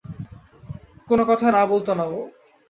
কোনো কথায় না বলত না ও।